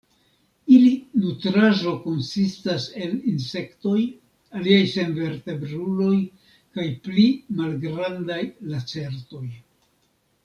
Ili nutraĵo konsistas el insektoj, aliaj senvertebruloj kaj pli malgrandaj lacertoj.